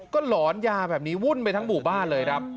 ก็หลอนยาแบบนี้วุ่นไปทั้งหมู่บ้านเลยครับ